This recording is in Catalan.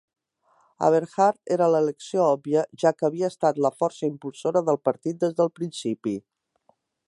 Aberhart era l'elecció òbvia, ja que havia estat la força impulsora del partit des del principi.